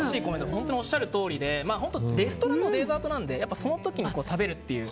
本当におっしゃるとおりでレストランのデザートなのでその時に食べるという。